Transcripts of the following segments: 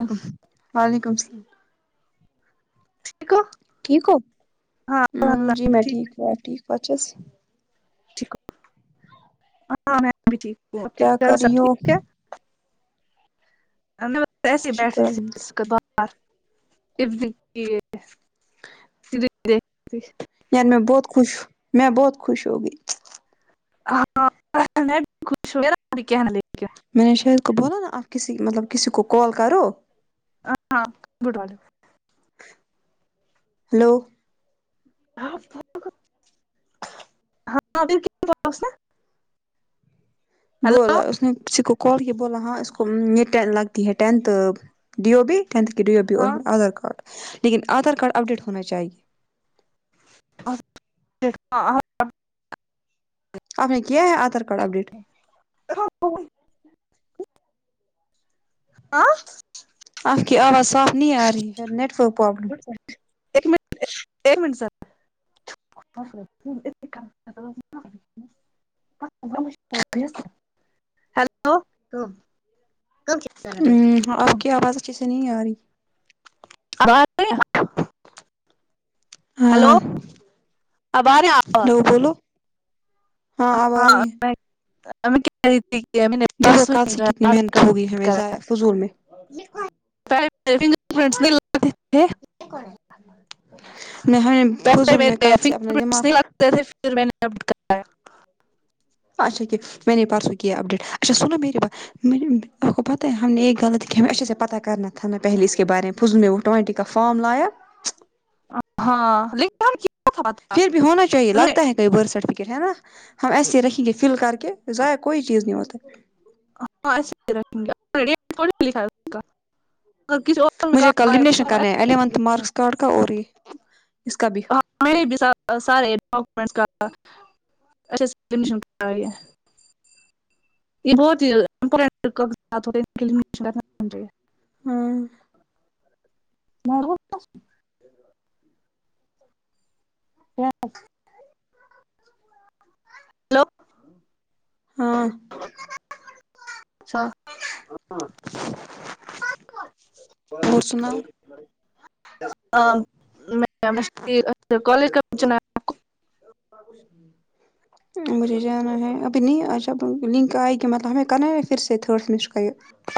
یک وعلیکم السلام دیکو ٹھیک ہو ہ جی میں ٹھیک ہو آپ ٹھیک ہو اچھے سے ٹھیک ہوں، ہاں میں بھی ٹھیک ہوں کے کیا گھر میں کر سب رہی ٹھیک ہو [inaudible] ایسی شکر بیٹی الحمد للہ [inaudible] یار میں بہت خوش میں بہت خوش ہوگئی ہاں میں بھی خوش میرا بھی [inaudible] میں نے شہر کو بولا نا آپ کسی مطلب کسی کو کال کرو ہ ہاں گٹ وال ہلو ہاں [unintelligible] ہیلو بولا اس نے کسی کو کال کیا بولا ہاں اس کو یہ ٹین لگتی ہے ٹینتھ ڈیو بی ٹینت کی ڈیوپی اور ہاں آدھار کارڈ لیکن آدھار کارڈ اپ ڈیٹ ہونا چاہیے [inaudible] آپ نے کیا ہے آدھار کارڈ اپڈیٹ کا [unintelligible] آں آپ کی آواز صاف نہیں آ رہی ہے نیٹورک پرابلم ایک منٹ ایک منٹ سر اورم [unintelligible] ہلو ہ آپ کی آواز اچھے سے نہیں آ رہی اور آ [unintelligible] ہلو ہاں اب ارے آواز ہلو بولو ہاں آب رہی ہیں ا کیا ری ت کہ ا دیکھو پرسوں کل ہی سے کتنی محنت ہوگئی ہمیں ضائع فضول میں ف [unintelligible] نہیں بوزوں میں کل سے اپنا دماغ جیسے پھر میں نے اپ کرایا اچا میں نے پرسو کیا یہ اپ ڈیٹ اچھا سنو میری بات مے نے بھی آپ کو پتہ ہے ہم نے یہ غلط کیا ہمیں اچھے سے پتاہ کرنا تھا ن پہلے اس کے بارے میں از میں وہ ٹائینٹی کا فام لائیا ہاں لیکن ہم کیا تھا پتا پھر بھی ہونا چاہیے انہوں نے لگتا ہے لیبر سرٹیفکیٹ ہے نا ہم ایسے ہی رکھیں گے فل کر کے ضائع کوئی چیز نہیں ہوتا ہاں گ [inaudible] مجھے کا لمی نیشن کرنا ہے ہی الیونتھ لکھیں گے۔ مارکس کارڈ کا اور یہ اس کا بھی ہاں میرے بھی سارے ڈاکومٹس کا اچھا سے [unintelligible] یہ بہت پریکٹیکل بات ہورہی ہے ہاں ہیلو ہاں اچھا اور [unintelligible] جی مجھے جانا ہے ابھی نہیں اچھا لنک آئے کہ مطلب ہمیں کرنا ہے پھر سے تھرڈ سمیسٹر کا یہ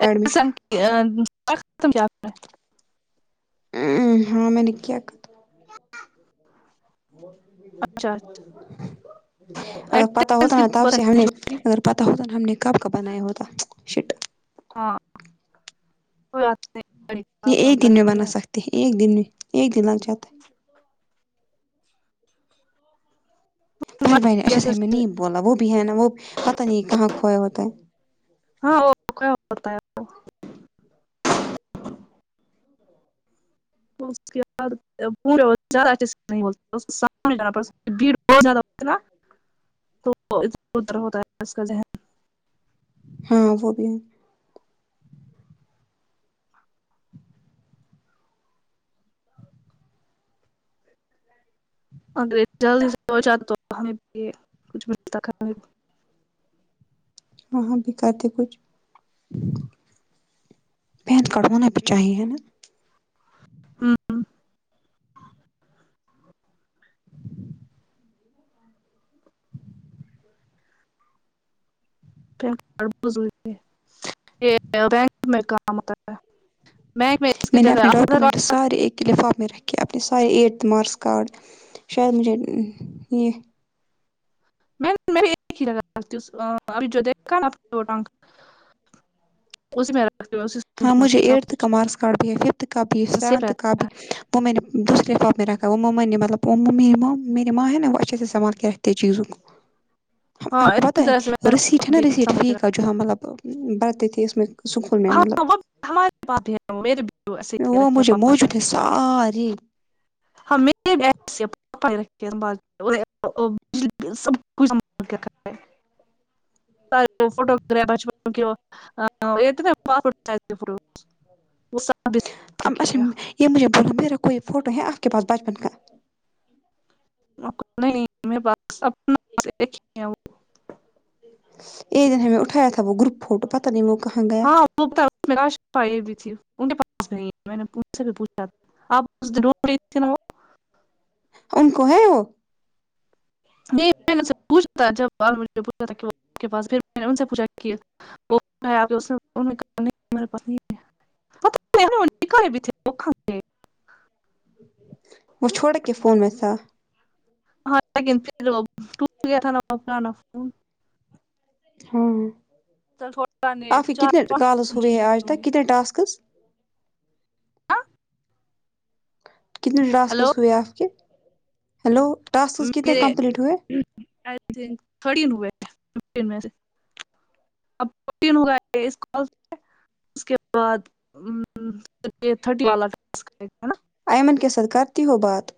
ایڈمیشن بینک ہاں میں نے کیا اگر پتاہ ہوتا نا تب سے ہم نے اگر پتاہ ہوتا نا ہم نے کب کا بنایا ہوتا شٹ ہاں تو ایک دن میں ایک دن لگ جاتا ہے مہربانی اچھا سا ہم میں نہیں بولا وہ بھی ہے نا وہ پتہ نہیں کہاں کھویا ہوتا ہے ہاں وہ کھویا ہوتا ہے پورے زیادہ [unintelligible] تو ادر ادھر ہوتا ہے اسکا ذہن ہاں وہ بھی ہے انگریز [unintelligible] وہاں بھی کرتے کچھ پین کارٹ ہونا بھی چاہیے ہے نا ہمم [unintelligible] بینک اس کی میں نے جگہ اپنے ڈارک آدھار کمنٹس سارے ایک لفاف میں رکھے اپنے سارے ایٹتھ مارکس کارڈ شاید مجھے یہ میں ایک ہی لگاتی ابھی جو دیکھا نا اس میں رکھتی ہوں ہاں صندوق میں مجھے سب ایٹتھ کچھ کا مارکس کارڈ بھی ہے ففتھ کا بھی ہے سیف سیونتھ کا رہتا ہے بھی وہ میں نے دوسرے فارم میں رکھا وہ ممما نے مطلب میری ما ہے نا وہ اچھے سے سمبہلکے رکھتی ہے چیزو کو ہاں آپ کو پتا اسی طرح سے ہے میرا ریسیٹ ہے پاپا نا بھی ریسیٹ سنبھل کے فیک رکھ جوہاں مطلب پڑھتی تھی اس میں سکول میں مطلب ہاں وہ ہمارے پاس بھی ہوں میرے بھی ایسے ہی رکھے پاپا نے کہ ساری [unintelligible] [unintelligible] [unintelligible] فوٹو اچھا [unintelligible] یہ مجھے بولا میرا کوئی فوٹو ہے آپ کے پاس بچپن کا [unintelligible] ایک دن ہمیں اٹھایا تھا وہ گروپ فوٹو پتا نہیں وہ کہاں گیا [unintelligible] [unintelligible] ان کو ہے وہ [unintelligible] [unintelligible] گئے وہ چوڈے کے فون میں تھا [unintelligible] ہاں چل تھوڑا نے آپ کے چار کتنے پانچ کالز فون ہوئے چینج ہیں آج کیے ہوں تک گے کتنے ٹاسکز آہ کتنے ٹاسکس ہوئے آپ کے ہیلو ٹاسکس کتنے میرے کمپلیٹ ہوئے ائی تھنک تھر تین ہوئے فیو تین میں سے اب فور تین ہوگا اس کال سے اس کے بعد ا امم تھرٹین والا ٹاسک ہے نا ایئمن کے ساتھ کرتی ہو بات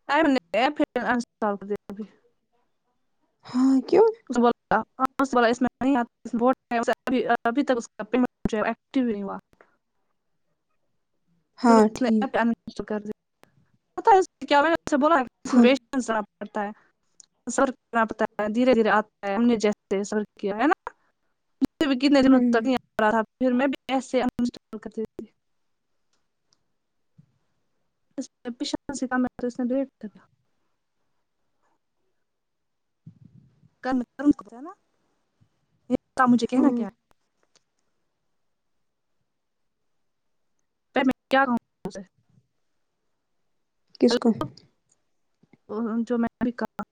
[unintelligible] ہاں کیوں [unintelligible] ٹاسک والا اس میں [unintelligible] ابھی تک اس کا پیمنٹ مجھے ایکٹو ہی نہیں ہوا ہاں ٹھیک پتہ ہے اس نے کیا بولا اس پیشنٹس رکھنا پڑتا ہے سر پتا دھیرے دھیرے آتا ہے ہم نے جیسے صبر کیا ہے نا مجھے بھی کتنے دن تک نہیں ا رہا تھا پھر میں [unintelligible] [unintelligible] کل معلوم کرو نا پکا مجھے کہنا ہاں کیا [unintelligible] کس کو وہ جو میں کل کہا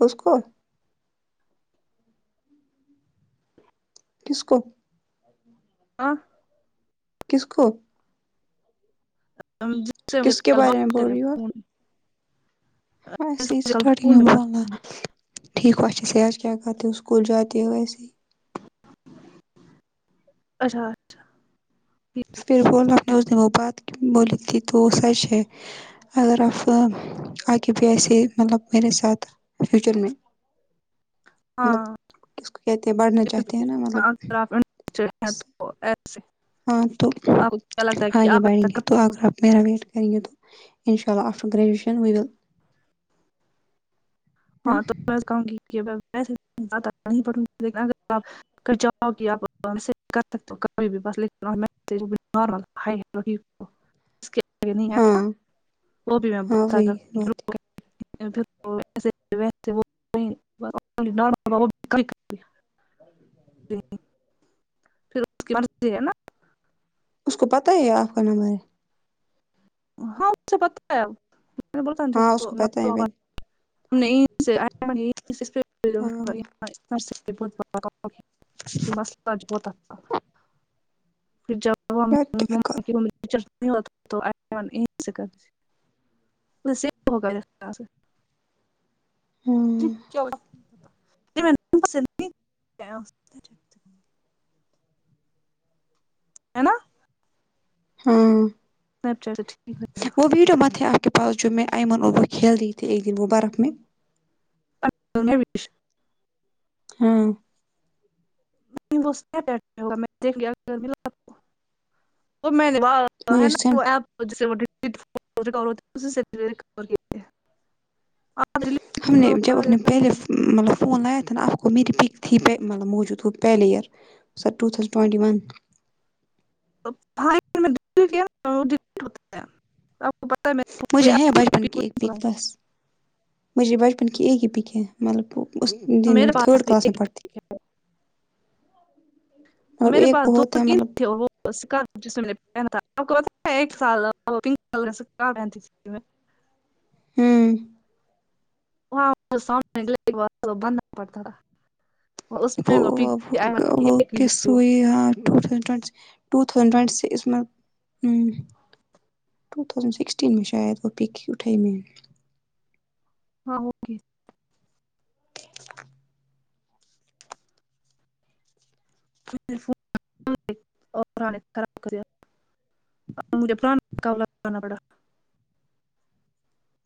اسس کو کس کو ہاں کس کو [inaudible] کس کے کل بارے میں بات بول کریں رہی ہو آپ فون ہاں ایسے کل اسٹارٹنگ فون میں پہ بات بولنا کریں تھا ٹھیک ہو چسے آج کیا کھاتے ہو ا سکول جاتی ہو ایسے اچھا اس نے بولا تھا نا اس نے وہ بات بولی تھی تو وہ سچ ہے اگر افواہ آ گے بھی ایسے مطلب میرے ساتھ فیوچر میں مطلب ہاں کس کو کہتے ہیں بڑھنا چاہتے ہیں نا مطلب اگر آپ انٹرسٹیڈ [unintelligible] ہاں تو آپ کو کیا لگتا ہے کہ اگے آپ بڑھیں ایسا کر گےتو پاؤ گی [unintelligible] میرا ویٹ کریں گے تو ان شاء اللہ آفٹر گریجویشن ہوئے گا ہاں تو بس [unintelligible] کاں کی کدھر کہ جاؤ کہ آپ سکتے کبھی بھی [unintelligible] اس کے لیے نہیں ہے ہاں وہ وہ بھی میں ہاں پتہ وہی کرتی بات ہے ہوں ا [unintelligible] ویسے وہ [unintelligible] [inaudible] بالکل پھر اس کی مرضی ہے نا اس کو پتہ ہی ہے آپ کا نمبر [unintelligible] ہاں اس سے پتہ ہے ہاں اس کو پتہ ہے بہن ہاں [unintelligible] [unintelligible] مسلہ بہت اچھا پھر جب یار کیا کروں [unintelligible] [unintelligible] ہاں [unintelligible] ہے نا ہاں سناپ چٹ ٹھیک ہے وہ ویڈیو مت تھے آپ کے پاس جو میں ایئمن اور وہ کھیل رہی تھی ایک دن وہ برف میں [unintelligible] ہاں وہ میں نے [unintelligible] تو ہے مجھے نا سینڈ وہ اپپ [unintelligible] وہ جسے ہم نے جب اپنے پہلے مطلب فون لا [unintelligible] تھ ت آ گو میرری پک تھی ہی [unintelligible] ملب موجود ہو player sir two thousand twenty one تا [unintelligible] آپ [unintelligible] پ مجھے ہے بچپن کی ایک پک بس مجھے بچپن کی ایک ہی پک ہے مطلب وہ اس دن میں میرے پاس تھرڈ بھی کلاس ایک میں پڑھتی پیک مطلب ایک بہت ہے مطلب پ تھا ایک سالک س پہن [unintelligible] ہوں ہاں [unintelligible] بند پتاارا وہ وہ آئی وہ ایک ہی لی وہ کسوئی ہاں two thousand twenty two thousand twenty س است ا ٹو تھاؤزنڈ سکسٹین میں شاید وہ پک ہی اٹھائی میں ہاں اوکے [unintelligible] ف [unintelligible] اور پرے خراب کر مجھے پران مقابلہ کرا پڑا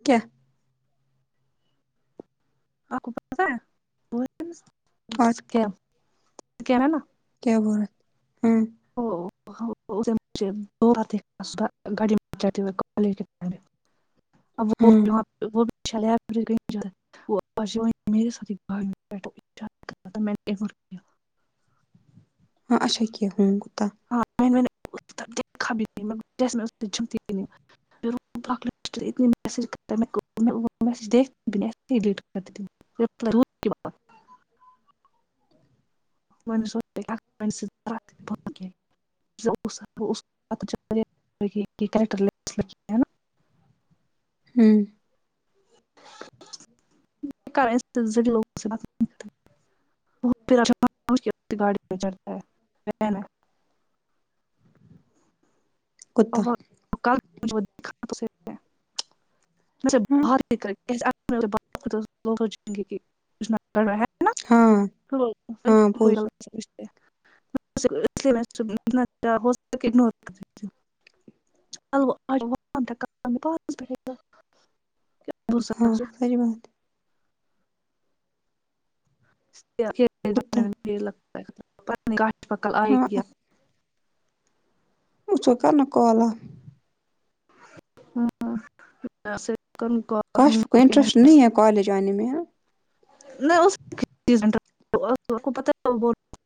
کیا آپ کو پتا ہے [unintelligible] واٹ کیا کیا ہے نا کیا بورت ہوں [unintelligible] مجے دوات گاڑی میں اب وہ ہاں [unintelligible] وہےاتھ [unintelligible] میں [unintelligible] ہاں اچھا کیا گوت تھا [unintelligible] اتنی میج میج د ہی ڈٹ کرتیوں [unintelligible] ضور [unintelligible] [unintelligible] ٹرا [unintelligible] ہوں لوگ سے [unintelligible] گاڑی پ چڑتا ہے [unintelligible] د کتا مھے بہتکر ہاں [unintelligible] یں گے [unintelligible] نا ہاں کو ہاں بول [unintelligible] [unintelligible] [unintelligible] ہاں ساری بات کتا لگتا کاش پکل آئے ہاں گیا [unintelligible] ھو کرنا کالا ہاں [unintelligible] جس کن کو کاش کوئی انٹرسٹ نہیں ہے کالج آنے میں نہیں پ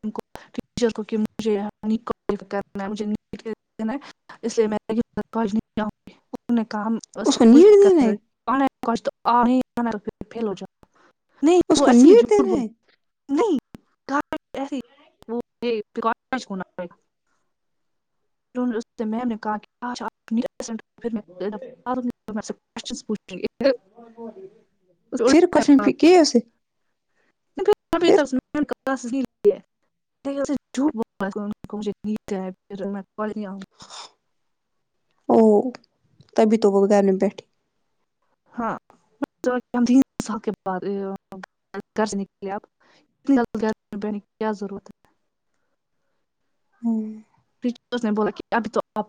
[unintelligible] ٹیچر کو کہ مجھےج [unintelligible] اس لیے میں مدد پہنچاہں گی انہ نے کام اس کا کو کچھ نیڈ پھر دینا ہے فیل ہو جائے [unintelligible] نہیں اس وہ کو ایسے ہی نیٹ جھوٹ بول دینا ہے نہیں [inaudible] [unintelligible] اس سے میم نے کہا کہ [inaudible] [unintelligible] اس پھر الٹا کشم ہوا ہے۔ کے اسے پھر [unintelligible] [inaudible] نہیں اسی نے جھوٹ بولا [unintelligible] [inaudible] او تبھی تو وہ گھر میں بیٹھی ہے ہاں ہم تین سال کے بعد گھر سے نکلے آپ گھر پر بن کیا ضرورت ہے فچ نے بولا کہ ابھی تو آپ